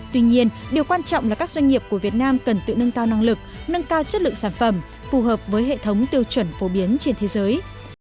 tuy nhiên điều quan trọng là các doanh nghiệp của việt nam cần tự nâng cao năng lực nâng cao chất lượng sản phẩm phù hợp với hệ thống tiêu chuẩn phổ biến trên thế giới